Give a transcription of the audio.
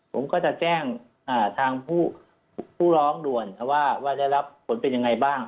ผมก็จะแจ้งทางผู้ร้องด่วนว่าได้รับผลเป็นยังไงบ้าง